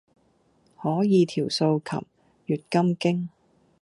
可以調素琴，閱金經